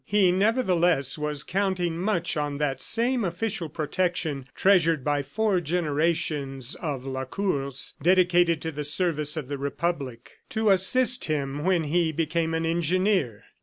He, nevertheless, was counting much on that same official protection treasured by four generations of Lacours dedicated to the service of the Republic, to assist him when he became an engineer.